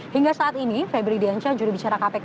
hingga saat ini febri dianca juri bicara kpk